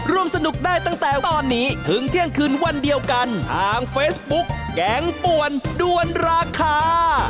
ร่วมสนุกได้ตั้งแต่ตอนนี้ถึงเที่ยงคืนวันเดียวกันทางเฟซบุ๊กแกงป่วนด้วนราคา